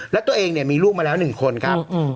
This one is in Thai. แล้วตัวเองเนี่ยมีลูกมาแล้วหนึ่งคนครับอืม